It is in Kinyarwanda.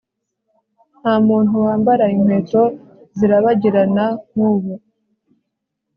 ntamuntu wambara inkweto zirabagirana nkubu